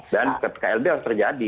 dan klb harus terjadi